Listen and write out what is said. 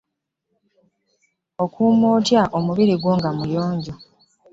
Okuuma otya omubiri gwo nga muyonjo?